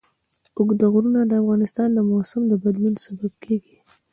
اوږده غرونه د افغانستان د موسم د بدلون سبب کېږي.